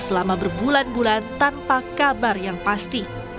selama berbulan bulan tanpa kabar yang pasti